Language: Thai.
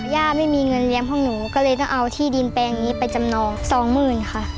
ย่าไม่มีเงินเลี้ยงห้องหนูก็เลยต้องเอาที่ดินแปลงนี้ไปจำนองสองหมื่นค่ะ